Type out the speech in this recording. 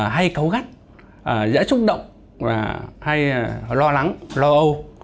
hay cấu gắt dễ xúc động hay lo lắng lo âu